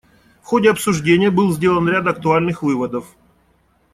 В ходе обсуждения был сделан ряд актуальных выводов.